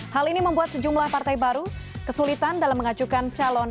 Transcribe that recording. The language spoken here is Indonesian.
hal ini membuat sejumlah partai baru kesulitan dalam mengajukan calon